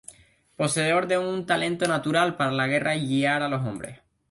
Poseedor de un talento natural para la guerra y guiar a los hombres.